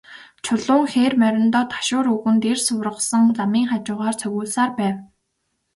Чулуун хээр мориндоо ташуур өгөн, дэрс ургасан замын хажуугаар цогиулсаар байв.